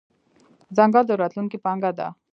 ځنګل د راتلونکې پانګه ده.